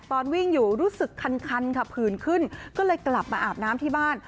ตอนวิ่งอยู่รู้สึกคันค่ะผื่นขึ้นก็เลยกลับมาอาบน้ำที่บ้าน